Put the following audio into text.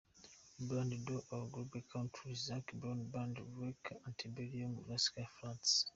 Band, duo or group, country: Zac Brown Band, Lady Antebellum, Rascal Flatts.